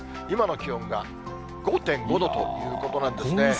今の気温が５．５度ということなんですね。